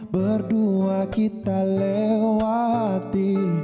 berdua kita lewati